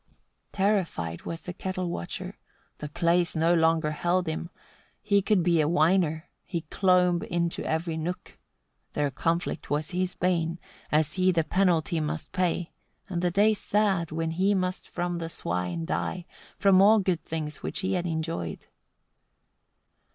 58. Terrified was the kettle watcher, the place no longer held him: he could be a whiner, he clomb into every nook: their conflict was his bane, as he the penalty must pay; and the day sad, when he must from the swine die, from all good things, which he had enjoyed.